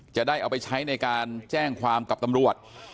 จะได้เอาไปใช้ในการแจ้งความกับตำรวจ